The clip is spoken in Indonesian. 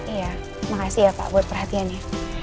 iya makasih ya pak buat perhatian ya